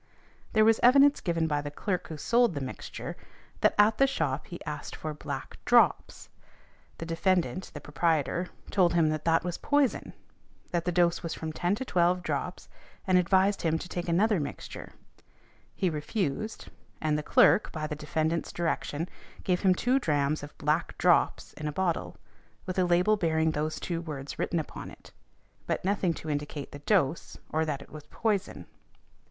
There was evidence given by the clerk who sold the mixture, that at the shop he asked for "black drops," the defendant, the proprietor, told him that that was poison, that the dose was from ten to twelve drops, and advised him to take another mixture; he refused, and the clerk (by the defendant's direction), gave him two drachms of "black drops" in a bottle, with a label bearing those two words written upon it, but nothing to indicate the dose, or that it was poison.